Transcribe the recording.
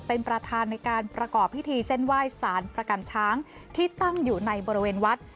เป็นประธานในการประกอบพิธีเส้นไหว้สารประกันช้างที่ตั้งอยู่ในบริเวณวัด